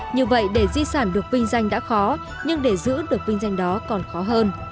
như vậy để di sản được vinh danh đã khó nhưng để giữ được vinh danh đó còn khó hơn